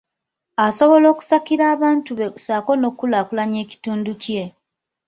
Asobola okusakira abantu be ssaako n’okulaakulanya ekitundu kye.